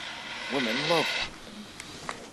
Women Love Him!